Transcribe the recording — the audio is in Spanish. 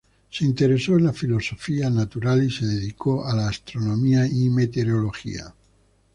Se interesó en la filosofía natural, y se dedicó a la astronomía y meteorología.